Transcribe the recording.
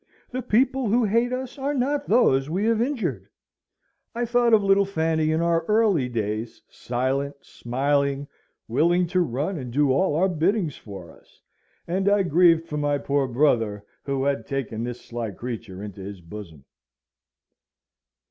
The people who hate us are not those we have injured." I thought of little Fanny in our early days, silent, smiling, willing to run and do all our biddings for us, and I grieved for my poor brother, who had taken this sly creature into his bosom.